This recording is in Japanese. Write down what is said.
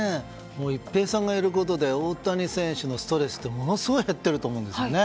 一平さんがいることで大谷選手のストレスってものすごい減ってると思うんですよね。